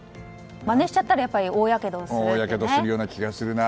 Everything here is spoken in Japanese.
まねしちゃったら大やけどしたりして。